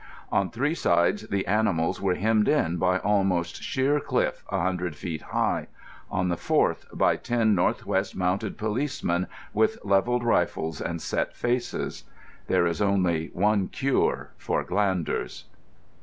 On three sides the animals were hemmed in by almost sheer cliff a hundred feet high; on the fourth by ten N.W. Mounted Policemen with levelled rifles and set faces. There is only one cure for glanders.